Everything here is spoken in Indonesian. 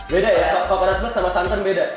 beda ya coconut milk sama santan beda